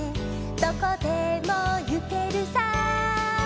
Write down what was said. どこでもゆけるさ」